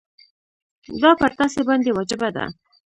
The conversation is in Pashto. دا پر تاسي باندي واجبه ده.